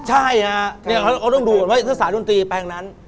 ใช่อะเขาต้องดูเหมือนว่าศึกษาดนตรีแปลงนั้น